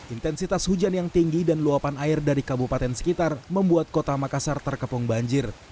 intensitas hujan yang tinggi dan luapan air dari kabupaten sekitar membuat kota makassar terkepung banjir